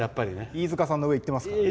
飯塚さんの上、いってますから。